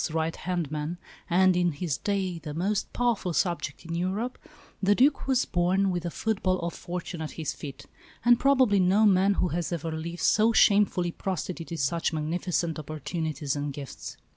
's right hand man, and, in his day, the most powerful subject in Europe, the Duc was born with the football of fortune at his feet; and probably no man who has ever lived so shamefully prostituted such magnificent opportunities and gifts.